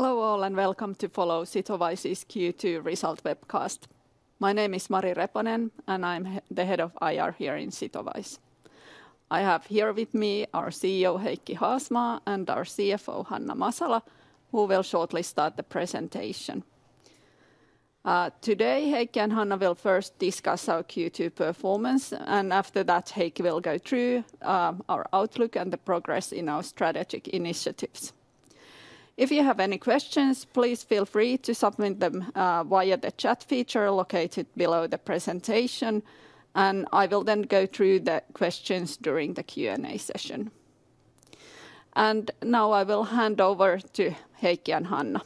Hello, all, and welcome to follow Sitowise's Q2 Result webcast. My name is Mari Reponen, and I'm the head of IR here in Sitowise. I have here with me our CEO, Heikki Haasmaa, and our CFO, Hanna Masala, who will shortly start the presentation. Today, Heikki and Hanna will first discuss our Q2 performance, and after that, Heikki will go through our outlook and the progress in our strategic initiatives. If you have any questions, please feel free to submit them via the chat feature located below the presentation, and I will then go through the questions during the Q&A session. Now I will hand over to Heikki and Hanna.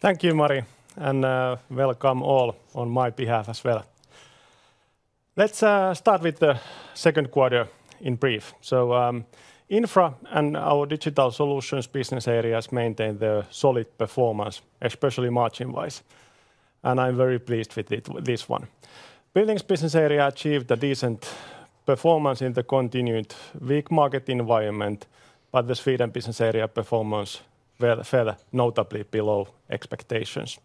Thank you, Mari, and welcome all on my behalf as well. Let's start with the second quarter in brief. So, Infra and our Digital Solutions business areas maintain the solid performance, especially margin-wise, and I'm very pleased with this one. Buildings business area achieved a decent performance in the continued weak market environment, but the Sweden business area performance fell notably below expectations.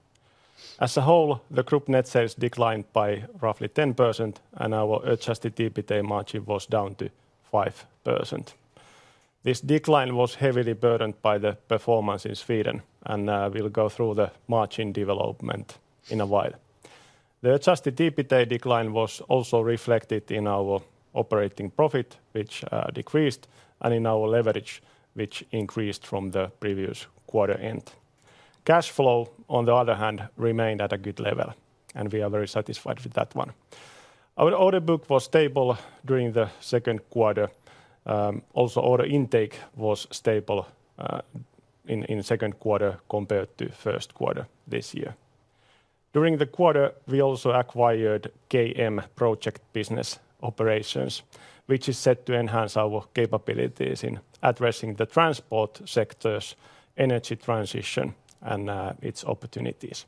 As a whole, the group net sales declined by roughly 10%, and our adjusted EBITA margin was down to 5%. This decline was heavily burdened by the performance in Sweden, and we'll go through the margin development in a while. The adjusted EBITA decline was also reflected in our operating profit, which decreased, and in our leverage, which increased from the previous quarter end. Cash flow, on the other hand, remained at a good level, and we are very satisfied with that one. Our order book was stable during the second quarter. Also order intake was stable in second quarter compared to first quarter this year. During the quarter, we also acquired KM Project business operations, which is set to enhance our capabilities in addressing the transport sector's energy transition and its opportunities.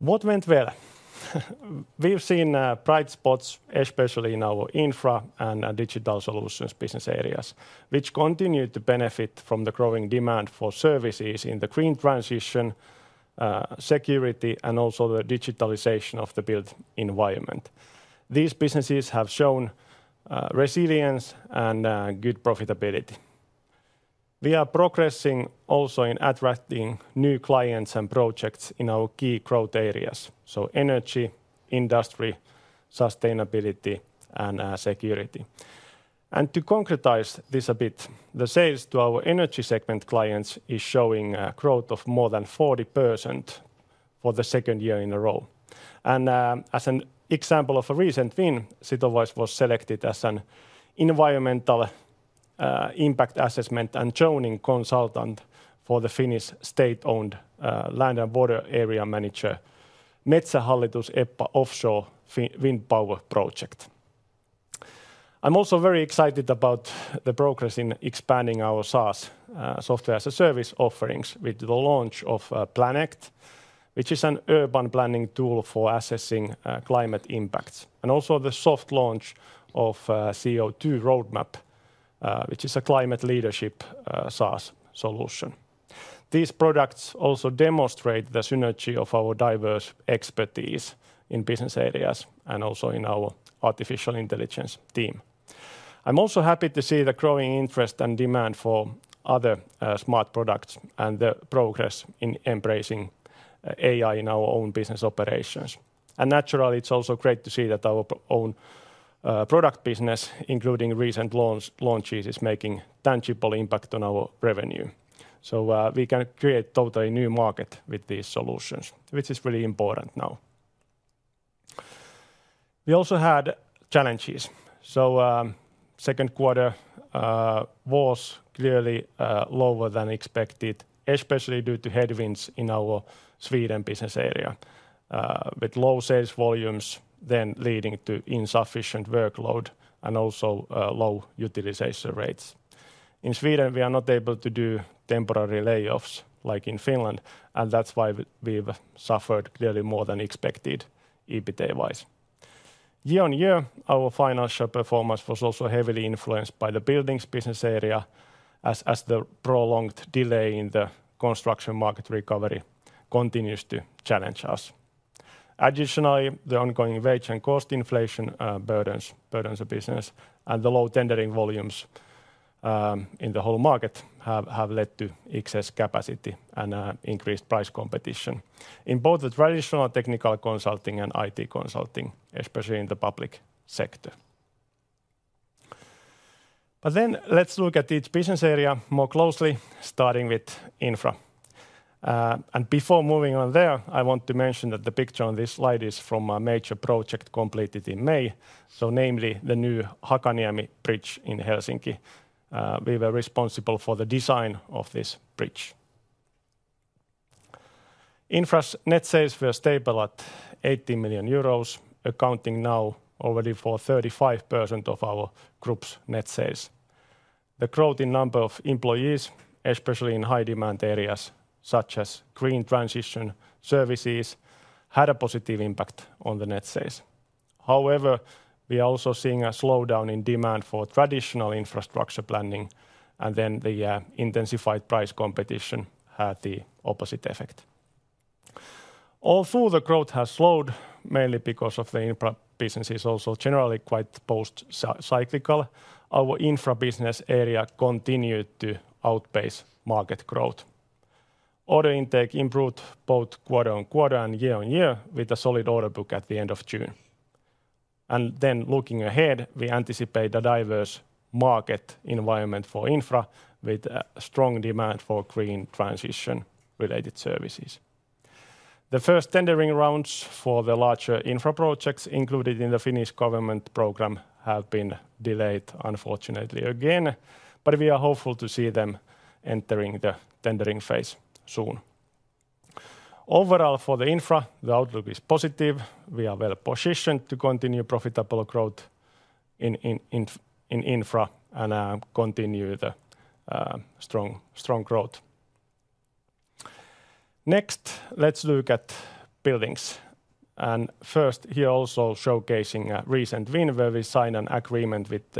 What went well? We've seen bright spots, especially in our Infra and Digital Solutions business areas, which continued to benefit from the growing demand for services in the green transition, security, and also the digitalization of the built environment. These businesses have shown resilience and good profitability. We are progressing also in attracting new clients and projects in our key growth areas, so energy, industry, sustainability, and security. And to concretize this a bit, the sales to our energy segment clients is showing a growth of more than 40% for the second year in a row. And, as an example of a recent win, Sitowise was selected as an environmental, impact assessment and zoning consultant for the Finnish state-owned, land and water area manager, Metsähallitus Ebba Offshore Wind Power Project. I'm also very excited about the progress in expanding our SaaS, Software as a Service offerings with the launch of, Planect, which is an urban planning tool for assessing, climate impacts, and also the soft launch of, CO2 Roadmap, which is a climate leadership, SaaS solution. These products also demonstrate the synergy of our diverse expertise in business areas and also in our artificial intelligence team. I'm also happy to see the growing interest and demand for other smart products and the progress in embracing AI in our own business operations. And naturally, it's also great to see that our own product business, including recent launch, launches, is making tangible impact on our revenue. So, we can create totally new market with these solutions, which is really important now. We also had challenges, so second quarter was clearly lower than expected, especially due to headwinds in our Sweden business area, with low sales volumes then leading to insufficient workload and also low utilization rates. In Sweden, we are not able to do temporary layoffs like in Finland, and that's why we, we've suffered clearly more than expected EBITDA-wise. Year on year, our financial performance was also heavily influenced by the buildings business area, as the prolonged delay in the construction market recovery continues to challenge us. Additionally, the ongoing wage and cost inflation burdens the business, and the low tendering volumes in the whole market have led to excess capacity and increased price competition in both the traditional technical consulting and IT consulting, especially in the public sector. But then let's look at each business area more closely, starting with Infra. And before moving on there, I want to mention that the picture on this slide is from a major project completed in May, so namely the new Hakaniemi Bridge in Helsinki. We were responsible for the design of this bridge. Infra's net sales were stable at 80 million euros, accounting now already for 35% of our group's net sales. The growing number of employees, especially in high-demand areas, such as green transition services, had a positive impact on the net sales. However, we are also seeing a slowdown in demand for traditional infrastructure planning, and then the intensified price competition had the opposite effect. Although the growth has slowed, mainly because of the infra business is also generally quite counter-cyclical, our infra business area continued to outpace market growth. Order intake improved both quarter-on-quarter and year-on-year, with a solid order book at the end of June. Looking ahead, we anticipate a diverse market environment for infra, with strong demand for green transition-related services. The first tendering rounds for the larger infra projects included in the Finnish government program have been delayed, unfortunately, again, but we are hopeful to see them entering the tendering phase soon. Overall, for the infra, the outlook is positive. We are well positioned to continue profitable growth in infra and continue the strong growth. Next, let's look at buildings. First, here also showcasing a recent win, where we signed an agreement with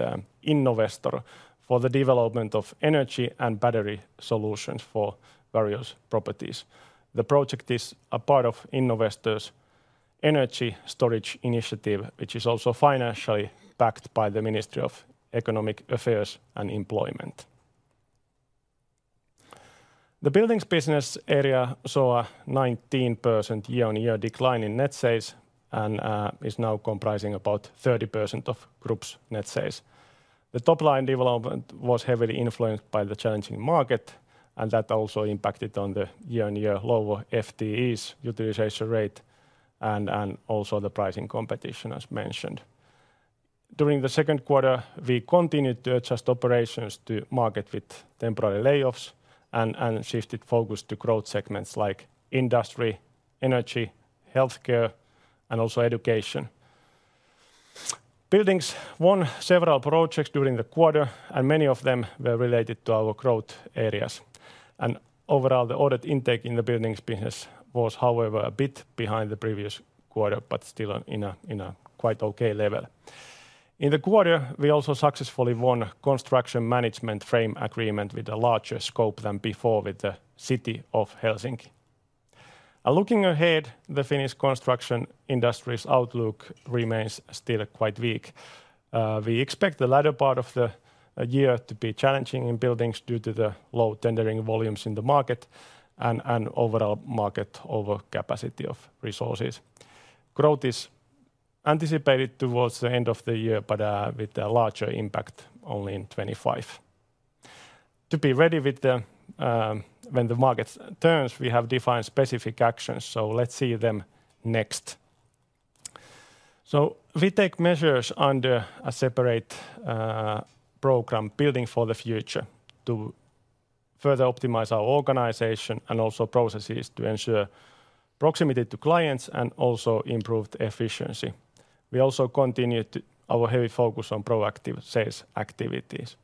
Innovestor for the development of energy and battery solutions for various properties. The project is a part of Innovestor's energy storage initiative, which is also financially backed by the Ministry of Economic Affairs and Employment. The buildings business area saw a 19% year-on-year decline in net sales and is now comprising about 30% of group's net sales. The top line development was heavily influenced by the challenging market, and that also impacted on the year-on-year lower FTEs utilization rate and also the pricing competition, as mentioned. During the second quarter, we continued to adjust operations to market with temporary layoffs and shifted focus to growth segments like industry, energy, healthcare, and also education. Buildings won several projects during the quarter, and many of them were related to our growth areas. Overall, the order intake in the buildings business was, however, a bit behind the previous quarter, but still in a quite okay level. In the quarter, we also successfully won a construction management frame agreement with a larger scope than before with the City of Helsinki. Looking ahead, the Finnish construction industry's outlook remains still quite weak. We expect the latter part of the year to be challenging in buildings due to the low tendering volumes in the market and overall market overcapacity of resources. Growth is anticipated towards the end of the year, but with a larger impact only in 2025. To be ready when the market turns, we have defined specific actions, so let's see them next. We take measures under a separate program, Building for the Future, to further optimize our organization and also processes to ensure proximity to clients and also improved efficiency. We also continue our heavy focus on proactive sales activities.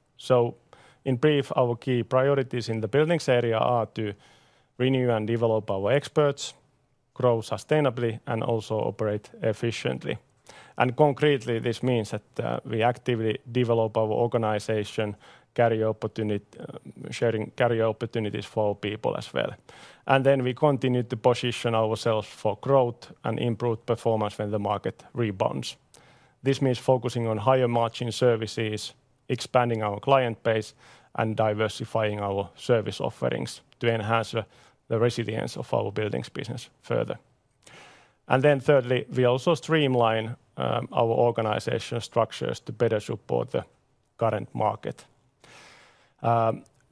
In brief, our key priorities in the buildings area are to renew and develop our experts, grow sustainably, and also operate efficiently. And concretely, this means that we actively develop our organization, career opportunity, sharing career opportunities for our people as well. And then we continue to position ourselves for growth and improved performance when the market rebounds. This means focusing on higher-margin services, expanding our client base, and diversifying our service offerings to enhance the resilience of our buildings business further. And then thirdly, we also streamline our organization structures to better support the current market.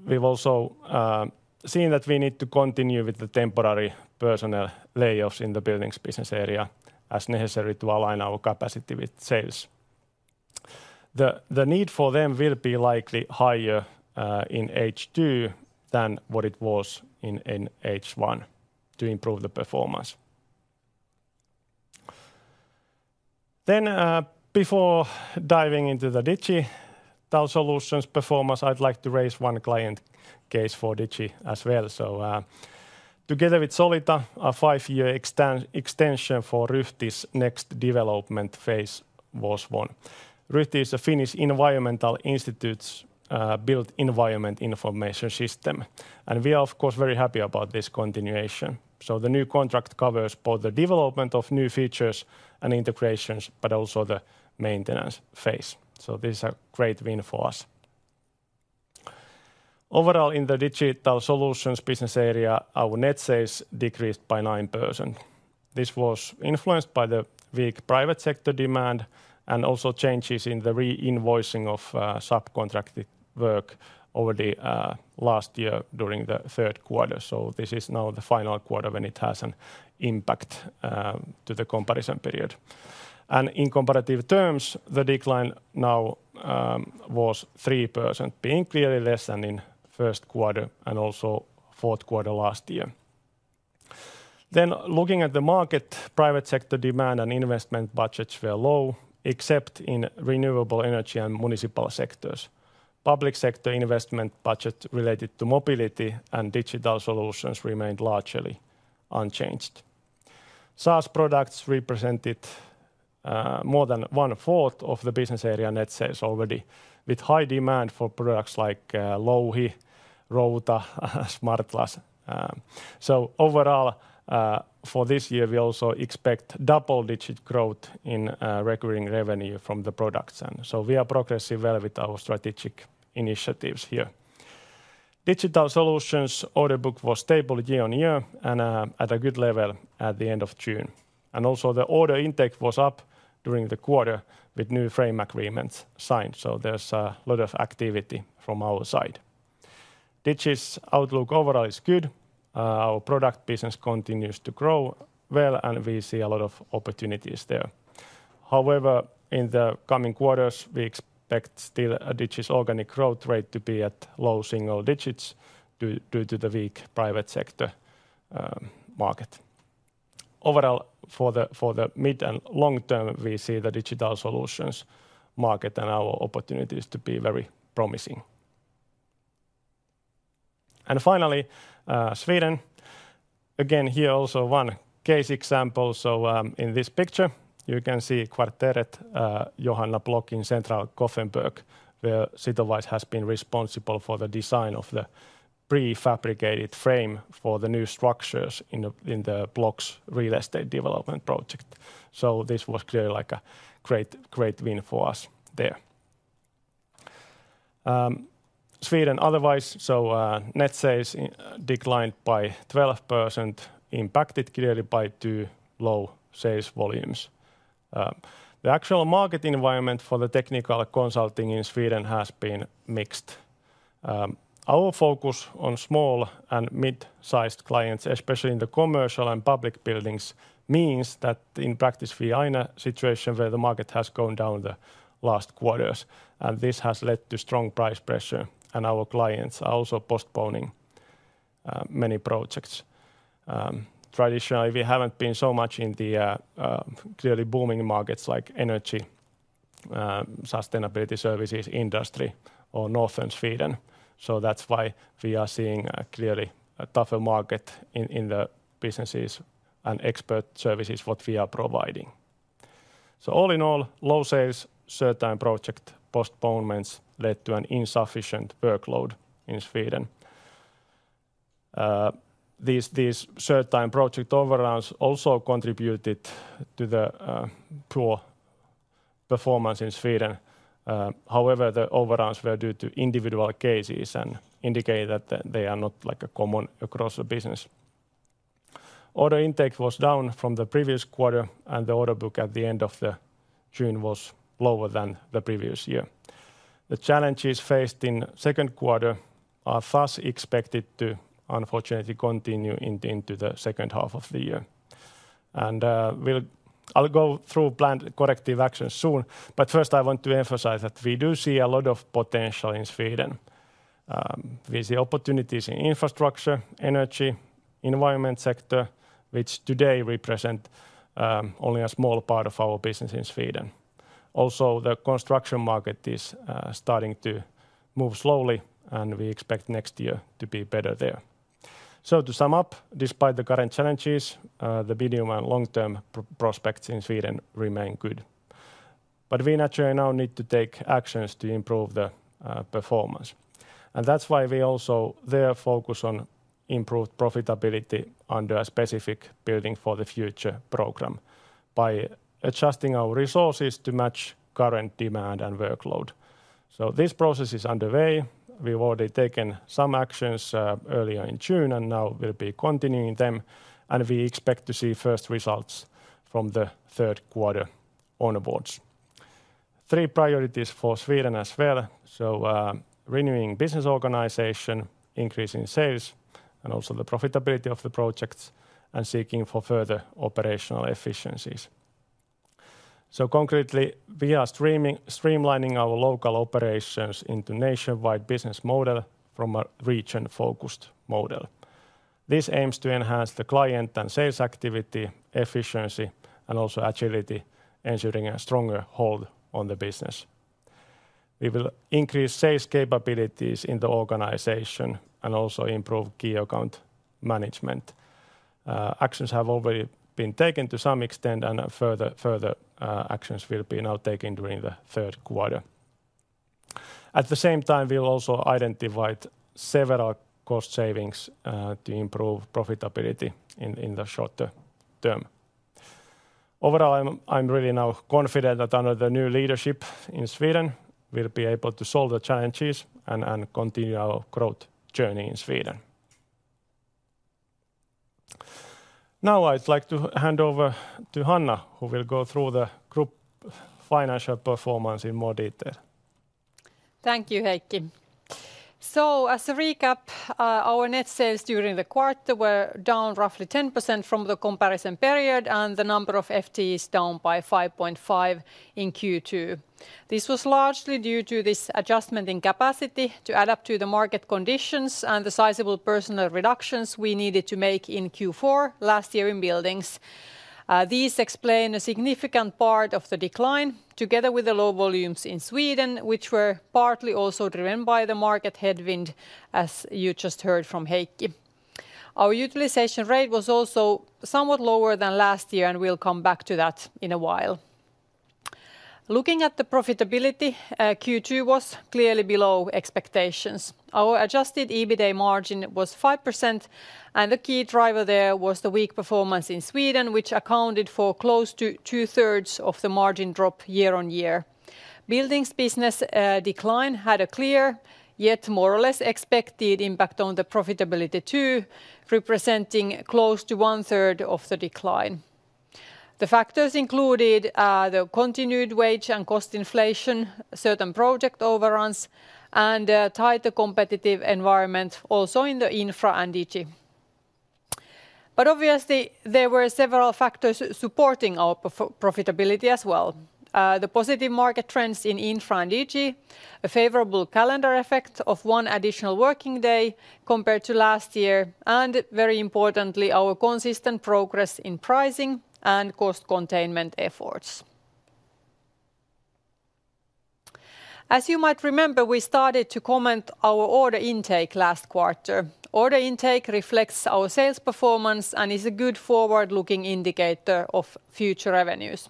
We've also seen that we need to continue with the temporary personnel layoffs in the buildings business area as necessary to align our capacity with sales. The need for them will be likely higher in H2 than what it was in H1 to improve the performance. Then, before diving into the digital solutions performance, I'd like to raise one client case for digi as well. So, together with Solita, a 5-year extension for Ryhti's next development phase was won. Ryhti is a Finnish Environment Institute's built environment information system, and we are, of course, very happy about this continuation. So the new contract covers both the development of new features and integrations, but also the maintenance phase. So this is a great win for us. Overall, in the digital solutions business area, our net sales decreased by 9%. This was influenced by the weak private sector demand and also changes in the re-invoicing of subcontracted work over the last year during the third quarter. So this is now the final quarter when it has an impact to the comparison period. And in comparative terms, the decline now was 3%, being clearly less than in first quarter and also fourth quarter last year. Then, looking at the market, private sector demand and investment budgets were low, except in renewable energy and municipal sectors. Public sector investment budget related to mobility and digital solutions remained largely unchanged. SaaS products represented more than one-fourth of the business area net sales already, with high demand for products like Louhi, Routa, SmartLands. So overall, for this year, we also expect double-digit growth in recurring revenue from the products. And so we are progressing well with our strategic initiatives here. Digital solutions order book was stable year-on-year and at a good level at the end of June. And also the order intake was up during the quarter with new frame agreements signed, so there's a lot of activity from our side. Digis' outlook overall is good. Our product business continues to grow well, and we see a lot of opportunities there. However, in the coming quarters, we expect still a digital's organic growth rate to be at low single digits due to the weak private sector market. Overall, for the mid- and long term, we see the digital solutions market and our opportunities to be very promising. And finally, Sweden, again, here also one case example. So, in this picture, you can see Kvarteret Johanna block in central Gothenburg, where Sitowise has been responsible for the design of the prefabricated frame for the new structures in the block's real estate development project. So this was clearly like a great, great win for us there. Sweden otherwise, so, net sales declined by 12%, impacted clearly by too low sales volumes. The actual market environment for the technical consulting in Sweden has been mixed. Our focus on small and mid-sized clients, especially in the commercial and public buildings, means that in practice, we are in a situation where the market has gone down the last quarters, and this has led to strong price pressure, and our clients are also postponing many projects. Traditionally, we haven't been so much in the clearly booming markets like energy, sustainability services, industry, or northern Sweden. So that's why we are seeing a clearly tougher market in the businesses and expert services what we are providing. So all in all, low sales, certain project postponements led to an insufficient workload in Sweden. These certain project overruns also contributed to the poor performance in Sweden. However, the overruns were due to individual cases and indicate that they are not, like, a common across the business. Order intake was down from the previous quarter, and the order book at the end of June was lower than the previous year. The challenges faced in second quarter are thus expected to unfortunately continue into the second half of the year. And we'll... I'll go through planned corrective actions soon, but first, I want to emphasize that we do see a lot of potential in Sweden. We see opportunities in infrastructure, energy, environment sector, which today represent only a small part of our business in Sweden. Also, the construction market is starting to move slowly, and we expect next year to be better there. So to sum up, despite the current challenges, the medium- and long-term prospects in Sweden remain good. But we naturally now need to take actions to improve the performance. That's why we also there focus on improved profitability under a specific Building for the Future program by adjusting our resources to match current demand and workload. This process is underway. We've already taken some actions earlier in June, and now we'll be continuing them, and we expect to see first results from the third quarter onwards. Three priorities for Sweden as well: renewing business organization, increasing sales, and also the profitability of the projects, and seeking for further operational efficiencies. Concretely, we are streamlining our local operations into nationwide business model from a region-focused model. This aims to enhance the client and sales activity, efficiency, and also agility, ensuring a stronger hold on the business. We will increase sales capabilities in the organization and also improve key account management. Actions have already been taken to some extent, and further actions will now be taken during the third quarter. At the same time, we'll also identify several cost savings to improve profitability in the shorter term. Overall, I'm really now confident that under the new leadership in Sweden, we'll be able to solve the challenges and continue our growth journey in Sweden. Now, I'd like to hand over to Hanna, who will go through the group financial performance in more detail. Thank you, Heikki. So as a recap, our net sales during the quarter were down roughly 10% from the comparison period, and the number of FTEs down by 5.5 in Q2. This was largely due to this adjustment in capacity to adapt to the market conditions and the sizable personal reductions we needed to make in Q4 last year in Buildings. These explain a significant part of the decline, together with the low volumes in Sweden, which were partly also driven by the market headwind, as you just heard from Heikki. Our utilization rate was also somewhat lower than last year, and we'll come back to that in a while. Looking at the profitability, Q2 was clearly below expectations. Our adjusted EBITA margin was 5%, and the key driver there was the weak performance in Sweden, which accounted for close to two-thirds of the margin drop year-on-year. Buildings business decline had a clear, yet more or less expected impact on the profitability too, representing close to one-third of the decline. The factors included the continued wage and cost inflation, certain project overruns, and tighter competitive environment also in the Infra and Digi. But obviously, there were several factors supporting our profitability as well. The positive market trends in Infra and Digi, a favorable calendar effect of one additional working day compared to last year, and very importantly, our consistent progress in pricing and cost containment efforts. As you might remember, we started to comment our order intake last quarter. Order intake reflects our sales performance, and is a good forward-looking indicator of future revenues.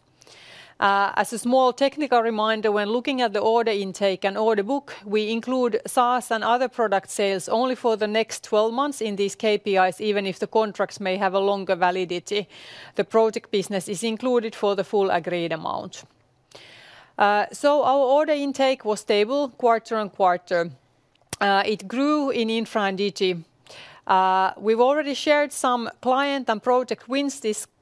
As a small technical reminder, when looking at the order intake and order book, we include SaaS and other product sales only for the next 12 months in these KPIs, even if the contracts may have a longer validity. The project business is included for the full agreed amount. So our order intake was stable quarter-on-quarter. It grew in Infra and Digi. We've already shared some client and project wins this quarter,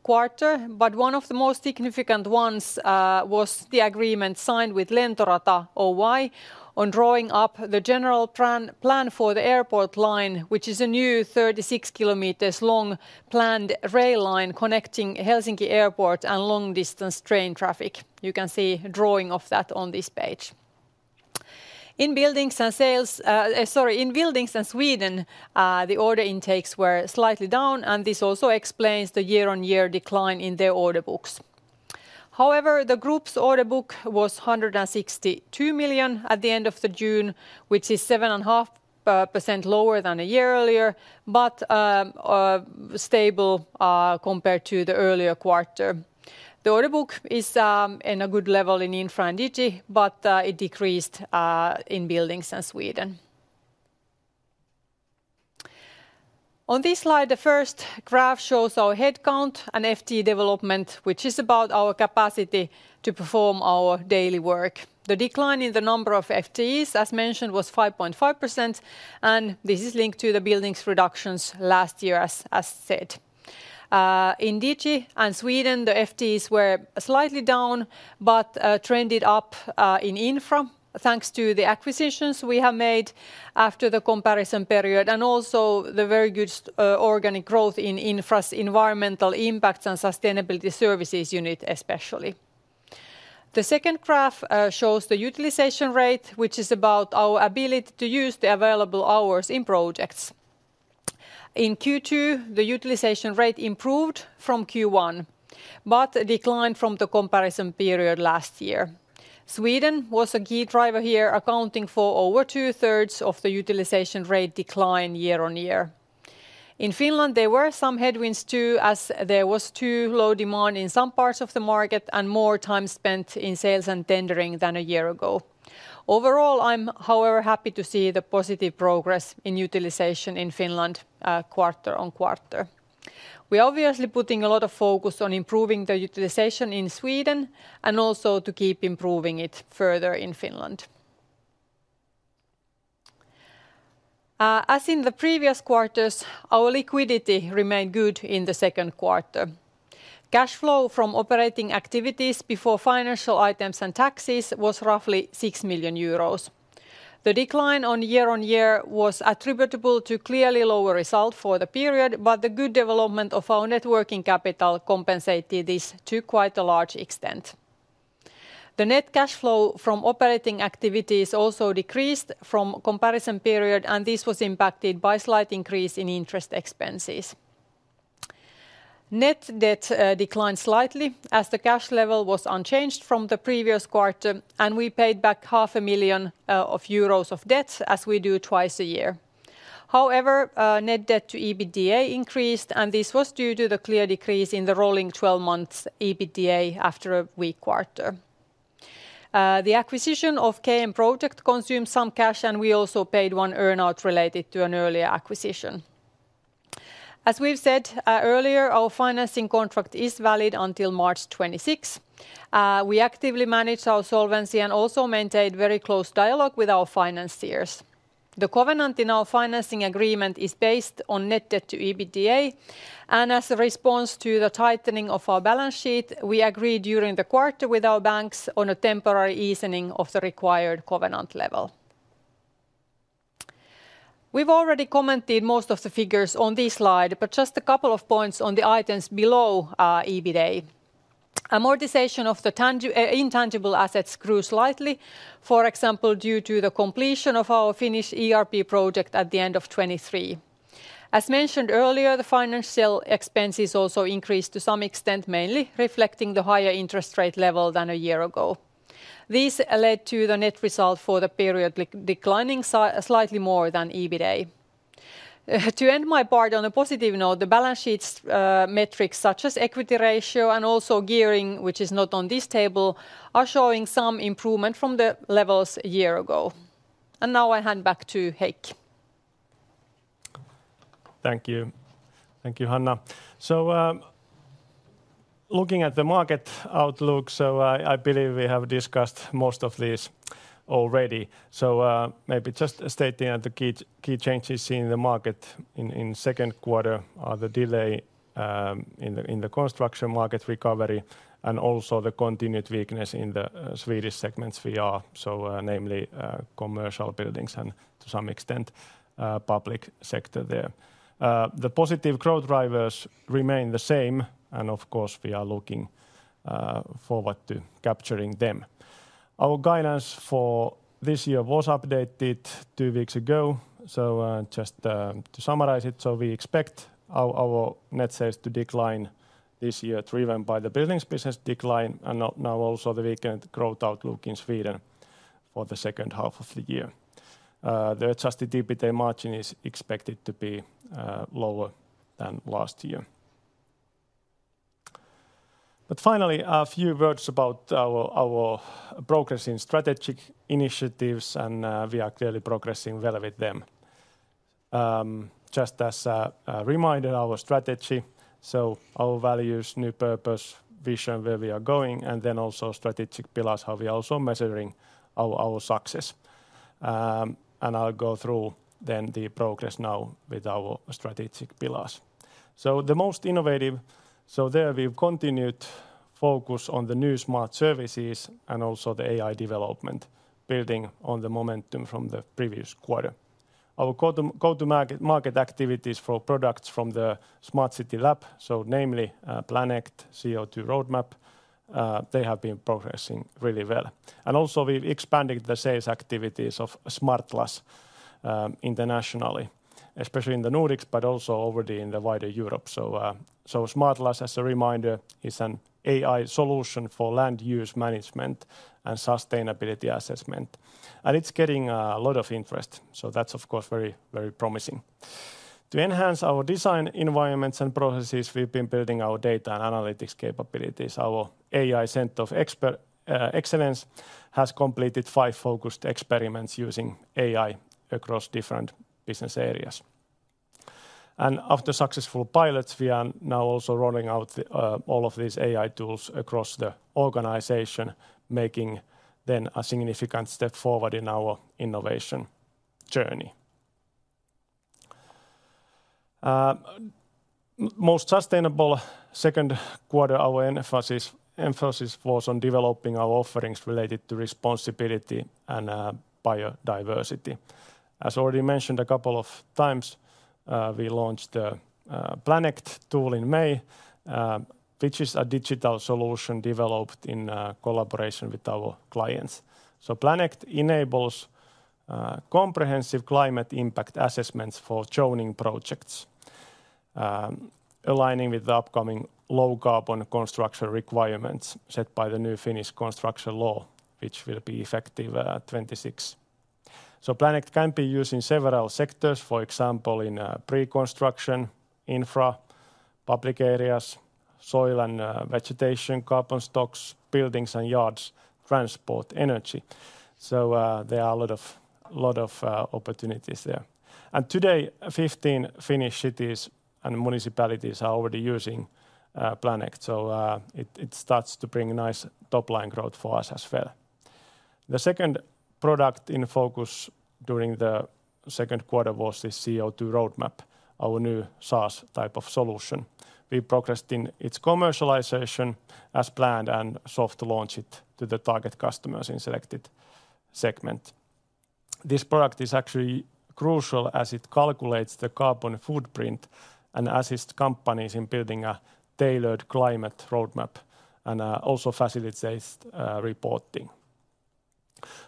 but one of the most significant ones was the agreement signed with Lentorata Oy on drawing up the general plan, plan for the Airport Line, which is a new 36 km long planned rail line connecting Helsinki Airport and long distance train traffic. You can see a drawing of that on this page. In Buildings and Sweden, the order intakes were slightly down, and this also explains the year-on-year decline in their order books. However, the group's order book was 162 million at the end of June, which is 7.5% lower than a year earlier, but stable compared to the earlier quarter. The order book is in a good level in Infra and Digi, but it decreased in Buildings and Sweden. On this slide, the first graph shows our headcount and FTE development, which is about our capacity to perform our daily work. The decline in the number of FTEs, as mentioned, was 5.5%, and this is linked to the Buildings reductions last year, as said. In Digi and Sweden, the FTEs were slightly down, but trended up in Infra, thanks to the acquisitions we have made after the comparison period, and also the very good organic growth in Infra's environmental impact and sustainability services unit, especially. The second graph shows the utilization rate, which is about our ability to use the available hours in projects. In Q2, the utilization rate improved from Q1, but declined from the comparison period last year. Sweden was a key driver here, accounting for over two-thirds of the utilization rate decline year-on-year. In Finland, there were some headwinds, too, as there was too low demand in some parts of the market, and more time spent in sales and tendering than a year ago. Overall, I'm, however, happy to see the positive progress in utilization in Finland quarter-on-quarter. We're obviously putting a lot of focus on improving the utilization in Sweden, and also to keep improving it further in Finland. As in the previous quarters, our liquidity remained good in the second quarter. Cash flow from operating activities before financial items and taxes was roughly 6 million euros. The decline year-on-year was attributable to clearly lower result for the period, but the good development of our working capital compensated this to quite a large extent. The net cash flow from operating activities also decreased from comparison period, and this was impacted by slight increase in interest expenses. Net debt declined slightly, as the cash level was unchanged from the previous quarter, and we paid back 500,000 euros of debt, as we do twice a year. However, net debt to EBITDA increased, and this was due to the clear decrease in the rolling 12 months EBITDA after a weak quarter. The acquisition of KM Project consumed some cash, and we also paid one earn-out related to an earlier acquisition. As we've said, earlier, our financing contract is valid until March 26. We actively manage our solvency, and also maintain very close dialogue with our financiers. The covenant in our financing agreement is based on net debt to EBITDA, and as a response to the tightening of our balance sheet, we agreed during the quarter with our banks on a temporary easing of the required covenant level. We've already commented most of the figures on this slide, but just a couple of points on the items below our EBITA. Amortization of the intangible assets grew slightly, for example, due to the completion of our Finnish ERP project at the end of 2023. As mentioned earlier, the financial expenses also increased to some extent, mainly reflecting the higher interest rate level than a year ago. This led to the net result for the period declining slightly more than EBITA. To end my part on a positive note, the balance sheets metrics such as equity ratio and also gearing, which is not on this table, are showing some improvement from the levels a year ago. And now I hand back to Heikki. Thank you. Thank you, Hanna. So, looking at the market outlook, so I believe we have discussed most of this already. So, maybe just stating that the key, key changes in the market in second quarter are the delay in the construction market recovery, and also the continued weakness in the Swedish segments we are, so namely, commercial buildings and to some extent, public sector there. The positive growth drivers remain the same, and of course, we are looking forward to capturing them. Our guidance for this year was updated two weeks ago, so just to summarize it, so we expect our net sales to decline this year, driven by the buildings business decline, and now also the weakened growth outlook in Sweden for the second half of the year. The adjusted EBITA margin is expected to be lower than last year. But finally, a few words about our progress in strategic initiatives, and we are clearly progressing well with them. Just as a reminder, our strategy, so our values, new purpose, vision, where we are going, and then also strategic pillars, how we are also measuring our success. And I'll go through then the progress now with our strategic pillars. So the most innovative, so there we've continued focus on the new smart services and also the AI development, building on the momentum from the previous quarter. Our go-to-market activities for products from the Smart City Lab, so namely, Planect, CO2 Roadmap, they have been progressing really well. Also, we've expanded the sales activities of SmartLands internationally, especially in the Nordics, but also already in the wider Europe. So, soSmartLands, as a reminder, is an AI solution for land use management and sustainability assessment, and it's getting a lot of interest, so that's of course, very, very promising. To enhance our design environments and processes, we've been building our data and analytics capabilities. Our AI Center of Expert Excellence has completed five focused experiments using AI across different business areas. And after successful pilots, we are now also rolling out all of these AI tools across the organization, making then a significant step forward in our innovation journey. Most sustainable second quarter, our emphasis, emphasis was on developing our offerings related to responsibility and biodiversity. As already mentioned a couple of times, we launched the Planect tool in May, which is a digital solution developed in collaboration with our clients. So Planect enables comprehensive climate impact assessments for zoning projects, aligning with the upcoming low-carbon construction requirements set by the new Finnish construction law, which will be effective 2026. So Planect can be used in several sectors, for example, in pre-construction, infra, public areas, soil and vegetation, carbon stocks, buildings and yards, transport, energy. So there are a lot of opportunities there. And today, 15 Finnish cities and municipalities are already using Planect, so it starts to bring nice top-line growth for us as well. The second product in focus during the second quarter was the CO2 Roadmap, our new SaaS type of solution. We progressed in its commercialization as planned and soft launched it to the target customers in selected segment. This product is actually crucial as it calculates the carbon footprint and assists companies in building a tailored climate roadmap, and also facilitates reporting.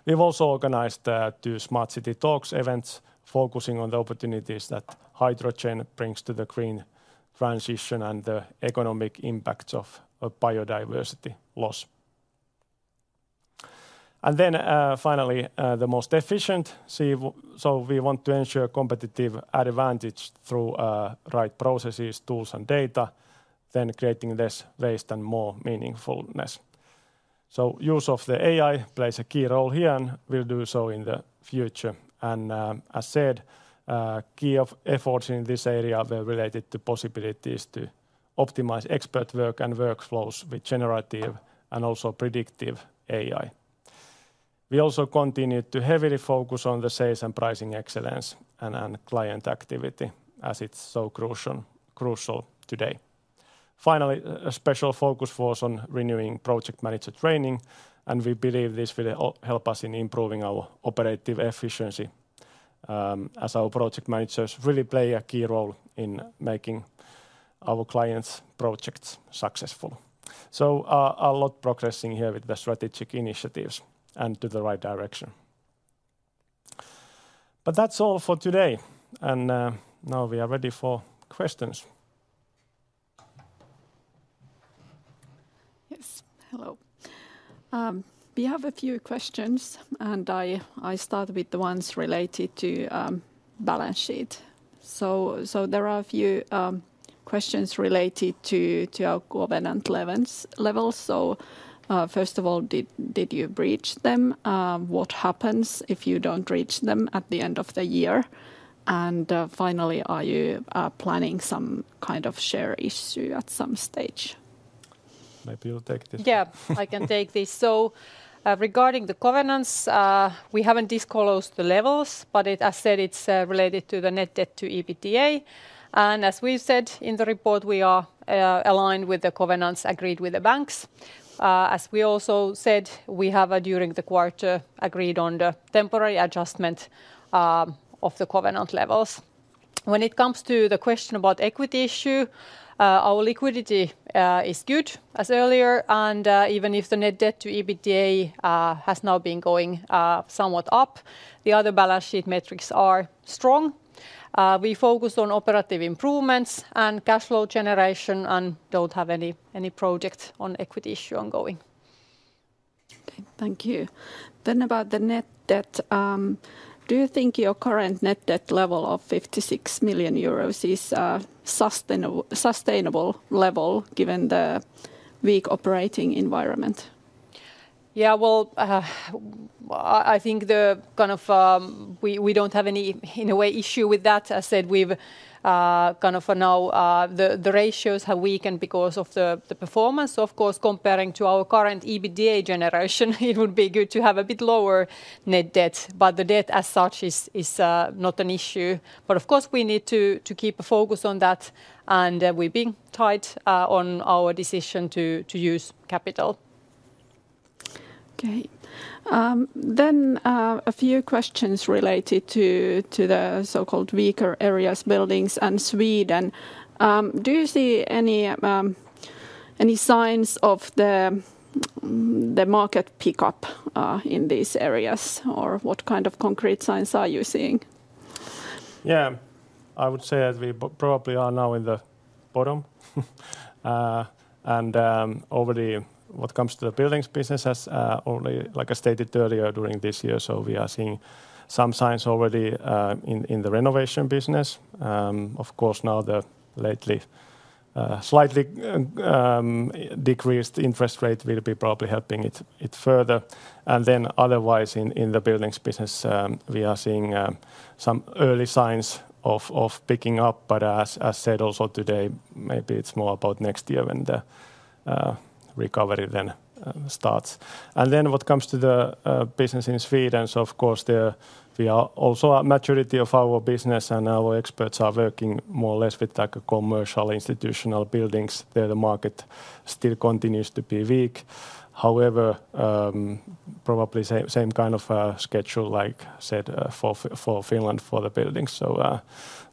We've also organized two Smart City Talks events focusing on the opportunities that hydrogen brings to the green transition and the economic impact of biodiversity loss. So we want to ensure competitive advantage through right processes, tools, and data, then creating less waste and more meaningfulness. So use of the AI plays a key role here and will do so in the future. And, as said, key of efforts in this area were related to possibilities to optimize expert work and workflows with generative and also predictive AI. We also continued to heavily focus on the sales and pricing excellence and client activity, as it's so crucial, crucial today. Finally, a special focus was on renewing project manager training, and we believe this will help us in improving our operative efficiency, as our project managers really play a key role in making our clients' projects successful. So, a lot progressing here with the strategic initiatives and to the right direction. But that's all for today, and now we are ready for questions. Yes, hello. We have a few questions, and I start with the ones related to balance sheet. So there are a few questions related to our covenant levels. So first of all, did you breach them? What happens if you don't reach them at the end of the year? And finally, are you planning some kind of share issue at some stage? Maybe you'll take this. Yeah, I can take this. So, regarding the covenants, we haven't disclosed the levels, but it, as said, it's related to the net debt to EBITDA. And as we've said in the report, we are aligned with the covenants agreed with the banks. As we also said, we have, during the quarter, agreed on the temporary adjustment of the covenant levels. When it comes to the question about equity issue, our liquidity is good, as earlier, and even if the net debt to EBITDA has now been going somewhat up, the other balance sheet metrics are strong. We focus on operative improvements and cash flow generation, and don't have any project on equity issue ongoing. Okay, thank you. Then about the net debt, do you think your current net debt level of 56 million euros is a sustainable level, given the weak operating environment? Yeah, well, I think the kind of... We don't have any, in a way, issue with that. As said, we've kind of for now, the ratios have weakened because of the performance. Of course, comparing to our current EBITDA generation, it would be good to have a bit lower net debt, but the debt, as such, is not an issue. But of course, we need to keep a focus on that, and we're being tight on our decision to use capital. Okay. Then, a few questions related to the so-called weaker areas, buildings and Sweden. Do you see any signs of the market pickup in these areas, or what kind of concrete signs are you seeing? Yeah. I would say that we probably are now in the bottom. Already what comes to the buildings business as only, like I stated earlier during this year, so we are seeing some signs already in the renovation business. Of course, now the lately slightly decreased interest rate will be probably helping it further. And then otherwise, in the buildings business, we are seeing some early signs of picking up. But as said also today, maybe it's more about next year when the recovery then starts. And then what comes to the business in Sweden, so of course there we are also a maturity of our business, and our experts are working more or less with, like, a commercial institutional buildings. There the market still continues to be weak. However, probably same, same kind of schedule like set for Finland, for the buildings. So,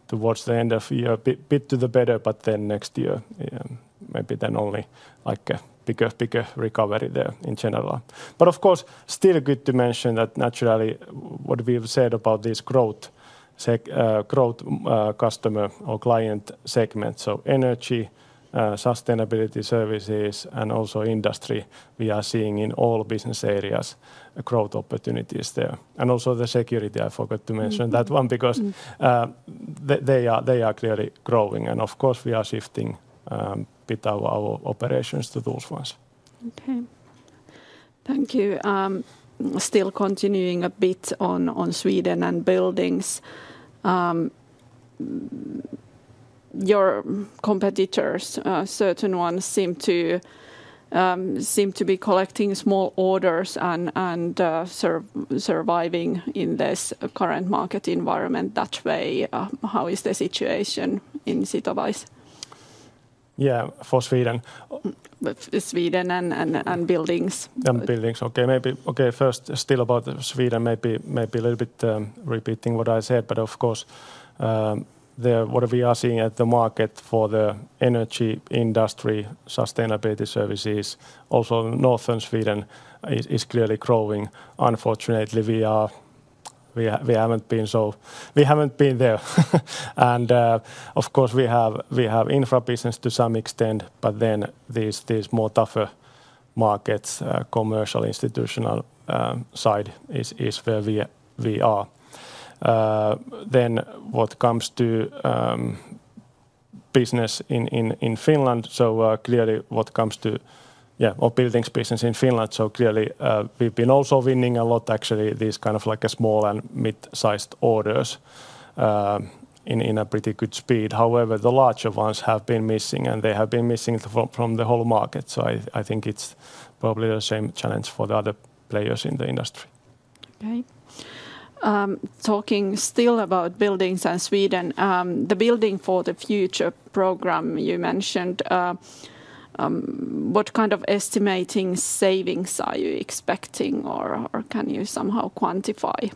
towards the end of year, bit to the better, but then next year, maybe then only, like, a bigger recovery there in general. But of course, still good to mention that naturally, what we've said about this growth customer or client segment, so energy, sustainability services, and also industry, we are seeing in all business areas, growth opportunities there. And also the security, I forgot to mention- Mm, mm that one because they are clearly growing. And of course, we are shifting a bit our operations to those ones. Okay. Thank you. Still continuing a bit on Sweden and buildings, your competitors, certain ones seem to be collecting small orders and surviving in this current market environment that way. How is the situation in Sitowise? Yeah, for Sweden? Sweden and buildings. Buildings. Okay, maybe. Okay, first, still about Sweden, maybe a little bit, repeating what I said, but of course, what we are seeing at the market for the energy industry, sustainability services, also northern Sweden is clearly growing. Unfortunately, we haven't been there. And, of course, we have infra business to some extent, but then these more tougher markets, commercial, institutional side is where we are. Then what comes to business in Finland, so clearly, what comes to our buildings business in Finland, so clearly, we've been also winning a lot, actually, these kind of like small and mid-sized orders in a pretty good speed. However, the larger ones have been missing, and they have been missing from the whole market. So I think it's probably the same challenge for the other players in the industry. Okay. Talking still about buildings and Sweden, the Building for the Future program you mentioned, what kind of estimating savings are you expecting or, or can you somehow quantify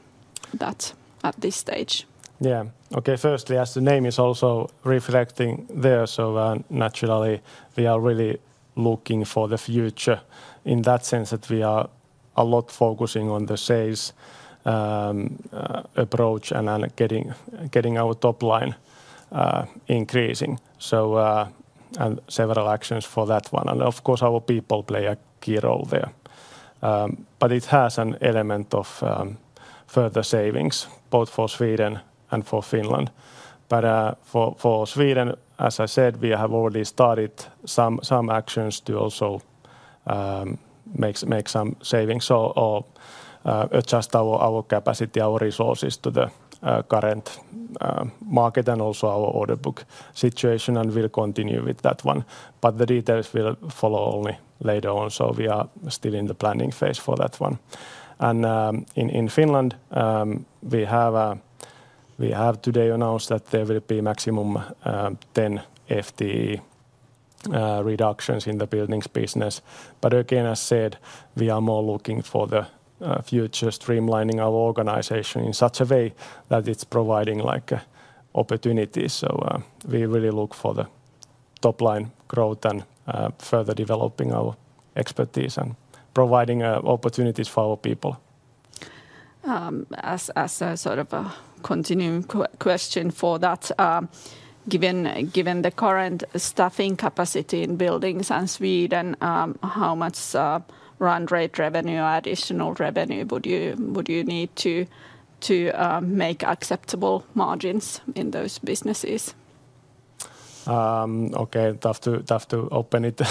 that at this stage? Yeah. Okay, firstly, as the name is also reflecting there, so naturally, we are really looking for the future in that sense that we are a lot focusing on the sales approach and getting our top line increasing. So, and several actions for that one, and of course our people play a key role there. But it has an element of further savings, both for Sweden and for Finland. But for Sweden, as I said, we have already started some actions to also make some savings or adjust our capacity, our resources to the current market and also our order book situation, and we'll continue with that one. But the details will follow only later on, so we are still in the planning phase for that one. In Finland, we have today announced that there will be maximum 10 FTE reductions in the buildings business. But again, as said, we are more looking for the future streamlining our organization in such a way that it's providing, like, opportunities. So, we really look for the top-line growth and further developing our expertise and providing opportunities for our people. As a sort of a continuing question for that, given the current staffing capacity in buildings and Sweden, how much run rate revenue, additional revenue would you need to make acceptable margins in those businesses? Okay, tough to open it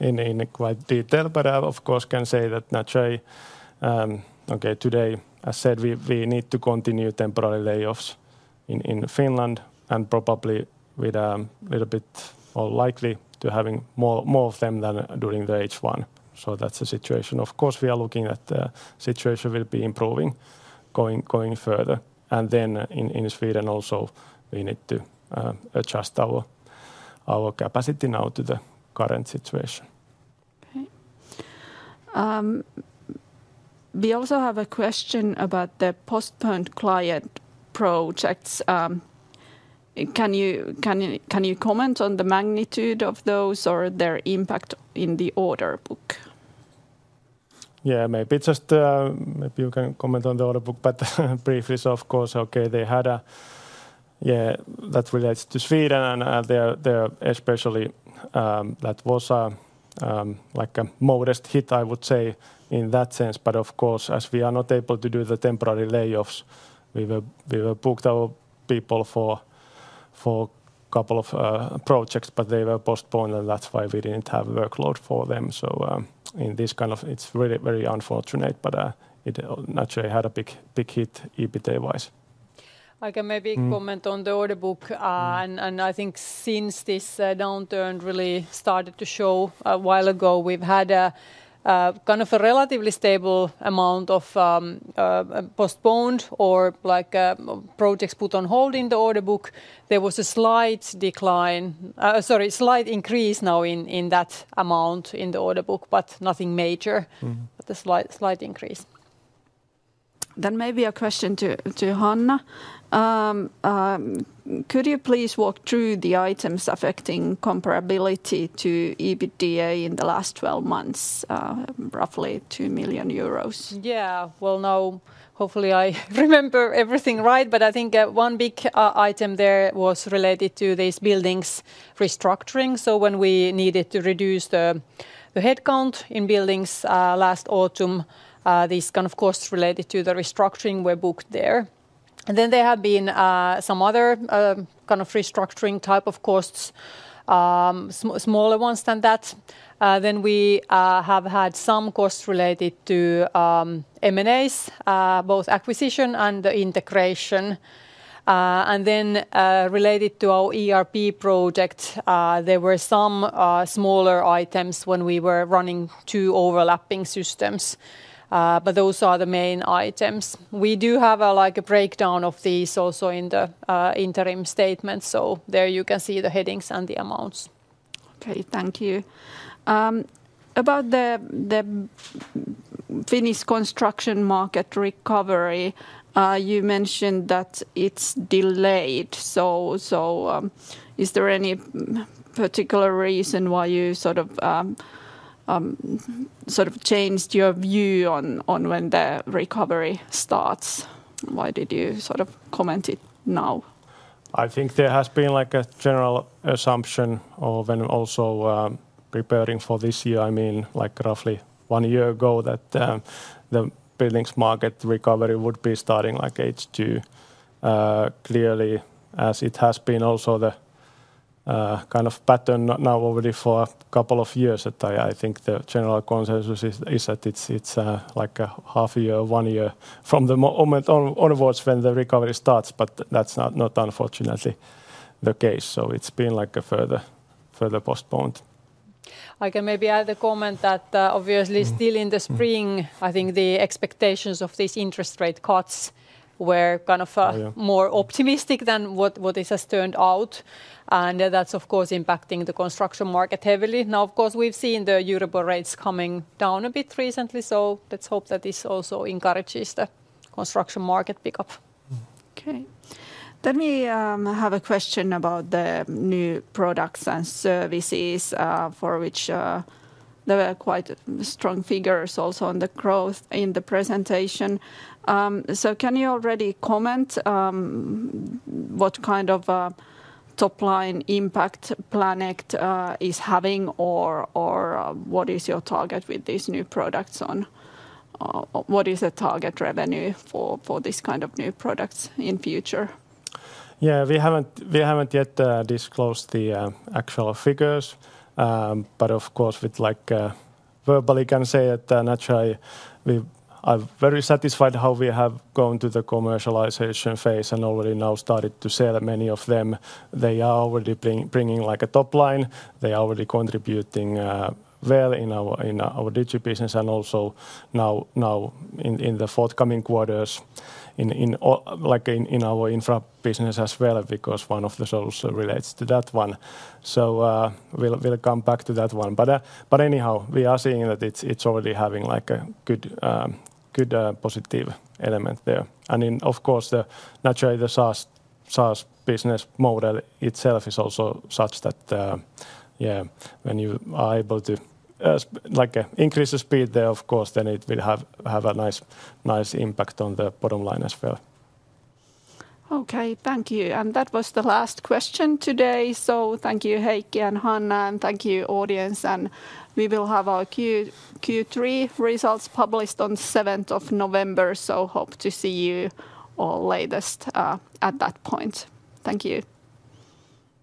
in quite detail, but I, of course, can say that naturally, okay, today, I said we need to continue temporary layoffs in Finland, and probably with a little bit more likely to having more of them than during the H1. So that's the situation. Of course, we are looking at the situation will be improving going further. And then in Sweden also, we need to adjust our capacity now to the current situation. Okay. We also have a question about the postponed client projects. Can you comment on the magnitude of those or their impact in the order book? Yeah, maybe just... Maybe you can comment on the order book, but briefly, of course. Okay, they had a... Yeah, that relates to Sweden, and there, there especially, that was like a modest hit, I would say, in that sense. But of course, as we are not able to do the temporary layoffs, we were, we were booked our people for couple of projects, but they were postponed, and that's why we didn't have workload for them. So, in this kind of - it's really very unfortunate, but it naturally had a big, big hit EBITDA-wise. I can maybe Mm. Comment on the order book. Mm. And I think since this downturn really started to show a while ago, we've had a kind of a relatively stable amount of postponed or, like, projects put on hold in the order book. There was a slight increase now in that amount in the order book, but nothing major. Mm. But a slight, slight increase. Then maybe a question to Hanna. Could you please walk through the items affecting comparability to EBITDA in the last 12 months, roughly 2 million euros? Yeah. Well, now hopefully I remember everything right, but I think one big item there was related to these Buildings restructuring. So when we needed to reduce the headcount in Buildings last autumn, these kind of costs related to the restructuring were booked there. And then there have been some other kind of restructuring type of costs, smaller ones than that. Then we have had some costs related to M&As, both acquisition and integration. And then related to our ERP project, there were some smaller items when we were running two overlapping systems, but those are the main items. We do have a, like, a breakdown of these also in the interim statement, so there you can see the headings and the amounts. Okay, thank you. About the Finnish construction market recovery, you mentioned that it's delayed. So, is there any particular reason why you sort of sort of changed your view on when the recovery starts? Why did you sort of comment it now? I think there has been, like, a general assumption of and also, preparing for this year, I mean, like roughly one year ago, that the buildings market recovery would be starting like H2. Clearly, as it has been also the kind of pattern now already for a couple of years, that I think the general consensus is that it's like a half year, one year from the moment onwards when the recovery starts, but that's not unfortunately the case. So it's been, like, a further postponed. I can maybe add a comment that, obviously- Mm... still in the spring, I think the expectations of these interest rate cuts were kind of, Oh, yeah... more optimistic than what it has turned out. And that's, of course, impacting the construction market heavily. Now, of course, we've seen the European rates coming down a bit recently, so let's hope that this also encourages the construction market pick-up. Mm. Okay. Let me have a question about the new products and services, for which there were quite strong figures also on the growth in the presentation. So can you already comment what kind of a top-line impact Planect is having or, or, what is your target with these new products on? What is the target revenue for, for this kind of new products in future? Yeah, we haven't, we haven't yet disclosed the actual figures. But of course, with like verbally can say that naturally I'm very satisfied how we have gone to the commercialization phase and already now started to sell many of them. They are already bringing, like, a top line. They are already contributing well in our digi business and also now in the forthcoming quarters in our infra business as well, because one of the solutions relates to that one. So, we'll, we'll come back to that one. But anyhow, we are seeing that it's already having like a good good positive element there. Then, of course, naturally, the SaaS business model itself is also such that, when you are able to increase the speed there, of course, then it will have a nice impact on the bottom line as well. Okay, thank you. And that was the last question today. So thank you, Heikki and Hanna, and thank you, audience. And we will have our Q3 results published on the 7th of November, so hope to see you all latest at that point. Thank you.